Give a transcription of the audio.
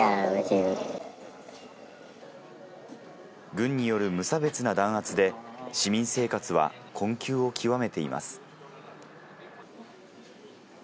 軍による無差別な弾圧で市民生活は困窮を極めています。